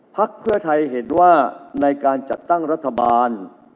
พักเพื่อไทยเห็นว่าในการจัดตั้งรัฐบาล